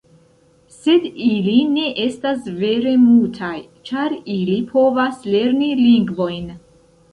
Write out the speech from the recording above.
Sed ili ne estas vere mutaj, ĉar ili povas lerni lingvojn.